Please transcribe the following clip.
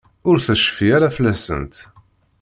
Ur tecfi ara fell-asent.